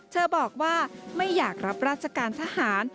เธอบอกว่าไม่อยากรับราชการทหาร